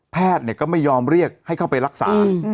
แพทย์ก็ไม่ยอมเรียกให้เข้าไปรักษา